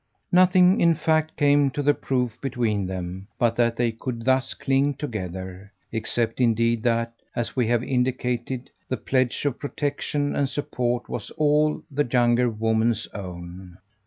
Nothing in fact came to the proof between them but that they could thus cling together except indeed that, as we have indicated, the pledge of protection and support was all the younger woman's own.